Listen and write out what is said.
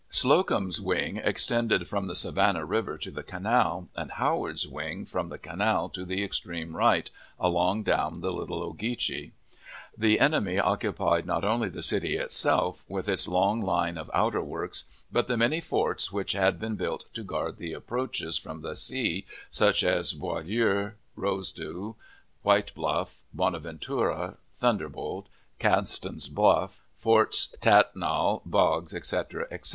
Slocum's wing extended from the Savannah River to the canal, and Howard's wing from the canal to the extreme right, along down the Little Ogeechee. The enemy occupied not only the city itself, with its long line of outer works, but the many forts which had been built to guard the approaches from the sea such as at Beaulieu, Rosedew, White Bluff, Bonaventura, Thunderbolt, Cansten's Bluff, Forts Tatnall, Boggs, etc., etc.